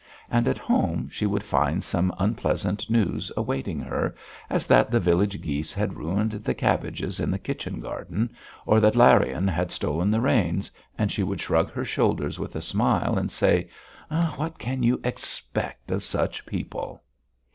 And at home she would find some unpleasant news awaiting her, as that the village geese had ruined the cabbages in the kitchen garden, or that Larion had stolen the reins, and she would shrug her shoulders with a smile and say: "What can you expect of such people?"